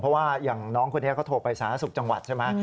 เพราะว่าอย่างน้องคนนี้เขาโทรไปสาธารณสุขจังหวัดใช่ไหม